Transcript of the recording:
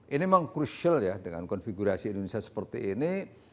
ini memang crucial ya dengan konfigurasi indonesia seperti ini